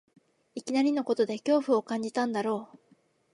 いきなりのことで恐怖を感じたんだろう